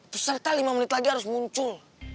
peserta lima menit lagi harus muncul